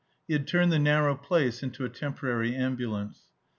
He had turned the narrow place into a temporary ambulance.